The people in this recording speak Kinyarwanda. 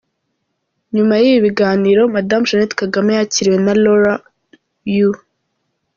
Nyuma y’ibi biganiro, Madamu Jeannette Kagame yakiriwe na Laura W.